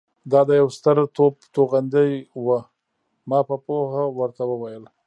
دا د یوه ستر توپ توغندۍ وه. ما په پوهه ورته وویل.